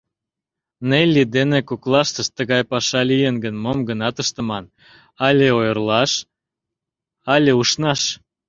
Нелли дене коклаштышт тыгай паша лийын гын, мом гынат ыштыман: але ойырлаш, але ушнаш.